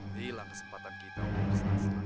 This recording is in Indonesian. hilang kesempatan kita untuk bersenang senang